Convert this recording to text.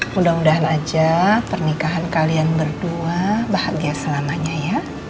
mudah mudahan aja pernikahan kalian berdua bahagia selamanya ya